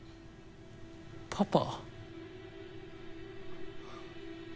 パパ？